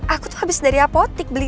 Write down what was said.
aku tuh habis dari apotik beli